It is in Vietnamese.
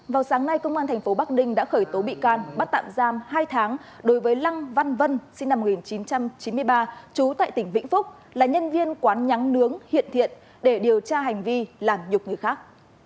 vào sáng nay công an tp bắc ninh đã khởi tố bị can bắt tạm giam hai tháng đối với lăng văn vân sinh năm một nghìn chín trăm chín mươi ba trú tại tỉnh vĩnh phúc là nhân viên quán nhắn nướng hiện thiện để điều tra hành vi làm nhục người khác